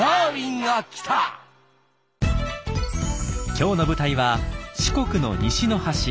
今日の舞台は四国の西の端。